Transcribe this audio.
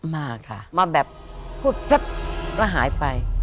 มาค่ะมาแบบพูดจ๊บก็หายไป